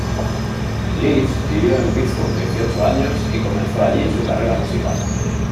Leeds vivió en Pittsburgh dieciocho años y comenzó allí su carrera musical.